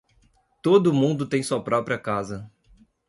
Todo mundo tem sua própria casa.